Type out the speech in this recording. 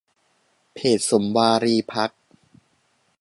เพจสมวารีพักตร์